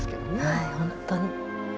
はいほんとに。